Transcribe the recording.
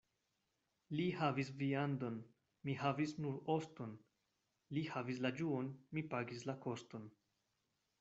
Li havis viandon, mi havis nur oston — li havis la ĝuon, mi pagis la koston.